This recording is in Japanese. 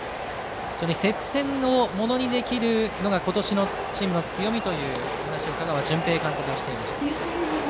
接戦をものにできるのが今年のチームの強みだと香川純平監督は話していました。